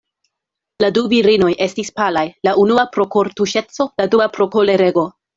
La du virinoj estis palaj, la unua pro kortuŝeco, la dua pro kolerego.